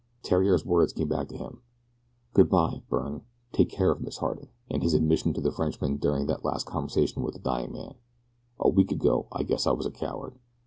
Theriere's words came back to him: "Good bye, Byrne; take good care of Miss Harding," and his admission to the Frenchman during that last conversation with the dying man: " a week ago I guess I was a coward.